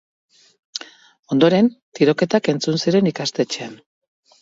Ondoren, tiroketak entzun ziren ikastetxean.